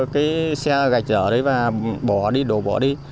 cái xe gạch trở đấy và bỏ đi đổ bỏ đi